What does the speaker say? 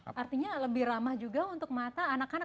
artinya lebih ramah juga untuk mata anak anak